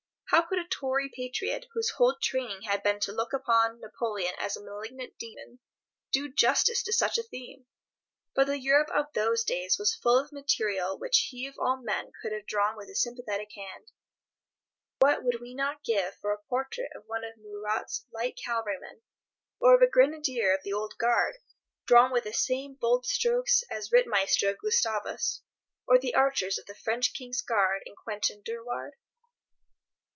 How could a Tory patriot, whose whole training had been to look upon Napoleon as a malignant Demon, do justice to such a theme? But the Europe of those days was full of material which he of all men could have drawn with a sympathetic hand. What would we not give for a portrait of one of Murat's light cavalrymen, or of a Grenadier of the Old Guard, drawn with the same bold strokes as the Rittmeister of Gustavus or the archers of the French King's Guard in "Quentin Durward"?